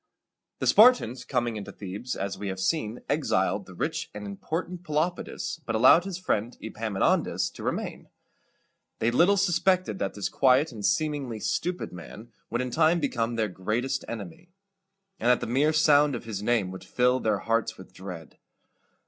The Spartans, coming into Thebes, as we have seen, exiled the rich and important Pelopidas, but allowed his friend Epaminondas to remain. They little suspected that this quiet and seemingly stupid man would in time become their greatest enemy, and that the mere sound of his name would fill their hearts with dread.